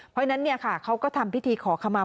เพราะฉะนั้นเขาก็ทำพิธีขอขมา